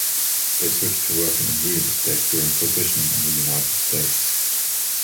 They switch to working in real estate during prohibition in the United States.